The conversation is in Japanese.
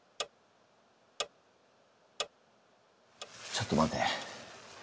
ちょっと待て。